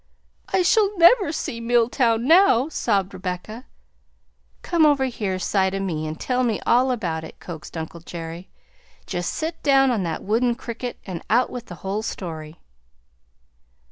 "I shall never see Milltown now!" sobbed Rebecca. "Come over here side o' me an' tell me all about it," coaxed uncle Jerry. "Jest set down on that there wooden cricket an' out with the whole story."